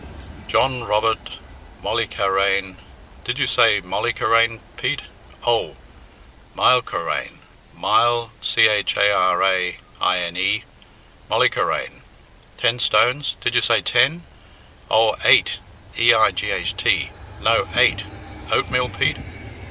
"John Robert Molleycarane did you say Molleycarane, Pete? Oh, Mylecharane Myle c h a r a i n e, Molleycarane; ten stones did you say ten? Oh, eight e i g h t no, eight; oatmeal, Pete?